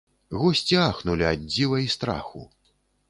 Госці ахнулі ад дзіва і страху.